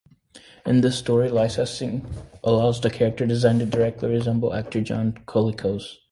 In this story, licensing allows the character design to directly resemble actor John Colicos.